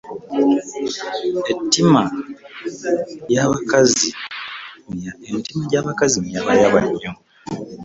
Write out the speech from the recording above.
Eitima j'abakazi miyabayaba nnyo .